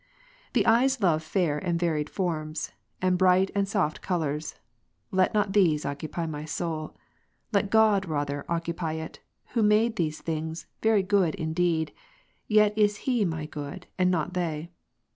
The eyes love fair and varied forms, and bright and soft colours. Let not these occupy my soul ; let God rather occupy it, who Gen. l, made these things, very good indeed, yet is He my good, not they.